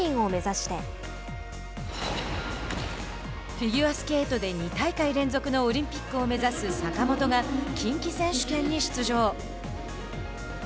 フィギュアスケートで２大会連続のオリンピックを目指す坂本が近畿選手権に出場。